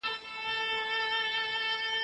د دولت عایدات د تېر په پرتله کم دي.